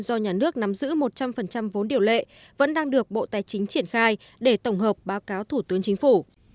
do nhà nước nắm giữ một trăm linh vốn điều lệ vẫn đang được bộ tài chính triển khai để tổng hợp báo cáo thủ tướng chính phủ